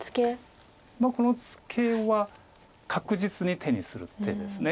このツケは確実に手にする手です。